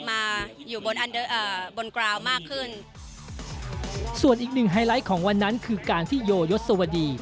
มาอยู่บนอันเอ่อบนกราวมากขึ้นส่วนอีกหนึ่งไฮไลท์ของวันนั้นคือการที่โยยศวดี